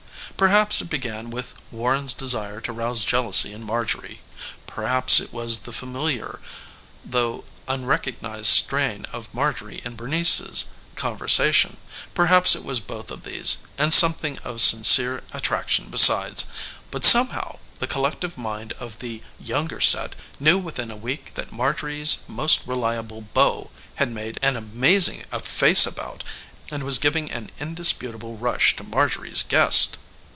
Perhaps it began with Warren's desire to rouse jealousy in Marjorie; perhaps it was the familiar though unrecognized strain of Marjorie in Bernice's conversation; perhaps it was both of these and something of sincere attraction besides. But somehow the collective mind of the younger set knew within a week that Marjorie's most reliable beau had made an amazing face about and was giving an indisputable rush to Marjorie's guest.